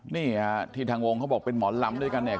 นี่ฮะที่ทางวงเขาบอกเป็นหมอลำด้วยกันเนี่ย